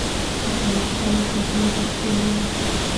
په افغانستان کې ځمکه شتون لري.